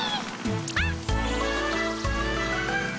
あっ！